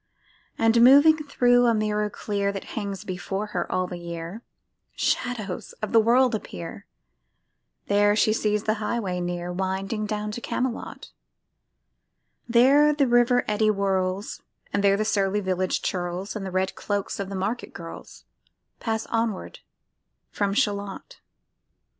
And moving thro' a mirror clear That hangs before her all the year,[Pg 69] Shadows of the world appear, There she sees the highway near Winding down to Camelot: There the river eddy whirls, And there the surly village churls, And the red cloaks of market girls, Pass onward from Shalott.